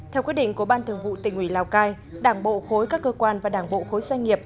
theo quyết định của ban thường vụ tỉnh ủy lào cai đảng bộ khối các cơ quan và đảng bộ khối doanh nghiệp